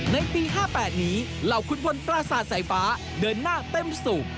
ในปี๕๘นี้เหล่าคุณพลปราสาทสายฟ้าเดินหน้าเต็มสุก